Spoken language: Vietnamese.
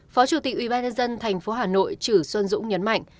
phó chủ tịch ubnd tp hà nội chử xuân dũng nhấn mạnh